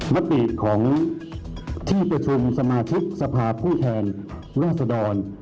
มติของที่ประชุมสมาชิกสภาพผู้แทนราษดร